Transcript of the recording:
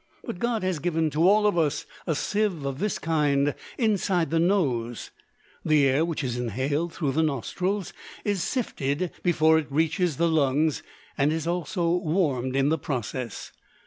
But God has given to all of us a sieve of this kind inside the nose. The air which is inhaled through the nostrils is sifted before it reaches the lungs, and is also warmed in the process.